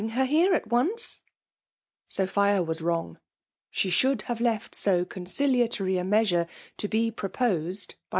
her here at once ?" t.Aopbia was wrong. She should have left so :0(mbiliatory a measure to be proposed by